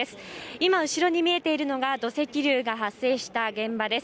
今、後ろに見えているのが土石流が発生した現場です。